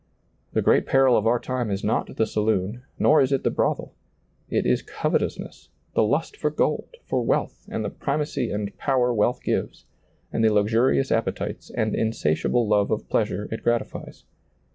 The great peril of our time is not the saloon, nor is it the brothel ; it is covetousness, the lust for gold, for wealth and the primacy and power wealth gives, and the luxurious appetites and insatiable love of pleasure it gratifies.